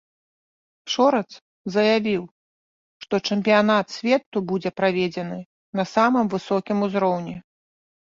Шорац заявіў, што чэмпіянат свету будзе праведзены на самым высокім узроўні.